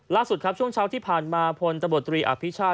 ล่าสุดครับช่วงเช้าที่ผ่านมาพลตำรวจตรีอภิชาติ